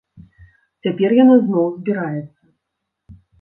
Цяпер яна зноў збіраецца.